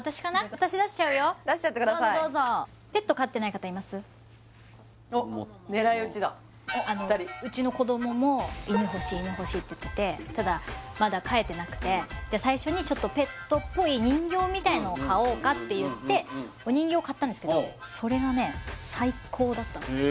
私出しちゃうよ出しちゃってくださいおっ狙い撃ちだ２人うちの子どもも犬欲しい犬欲しいって言っててただまだ飼えてなくてじゃあ最初にペットっぽい人形みたいのを買おうかといってお人形を買ったんですけどそれがね最高だったんですよへえ